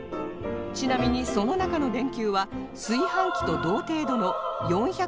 ちなみにその中の電球は炊飯器と同程度の４００ワットほど